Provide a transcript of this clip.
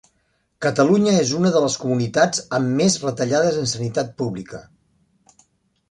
Catalunya és una de les comunitats amb més retallades en Sanitat Pública